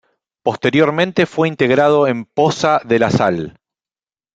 Posteriormente fue integrado en Poza de la Sal.